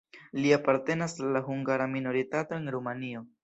Li apartenas al la hungara minoritato en Rumanio.